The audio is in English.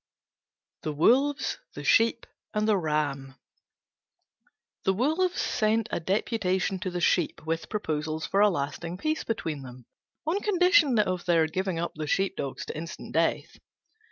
THE WOLVES, THE SHEEP, AND THE RAM The Wolves sent a deputation to the Sheep with proposals for a lasting peace between them, on condition of their giving up the sheep dogs to instant death.